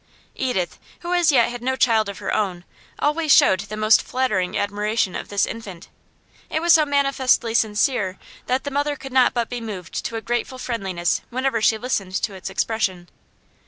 Edith, who as yet had no child of her own, always showed the most flattering admiration of this infant; it was so manifestly sincere that the mother could not but be moved to a grateful friendliness whenever she listened to its expression.